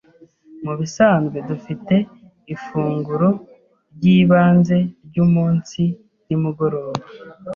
Mubisanzwe dufite ifunguro ryibanze ryumunsi nimugoroba.